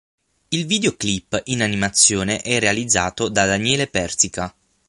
Il video-clip in animazione è realizzato da Daniele Persica.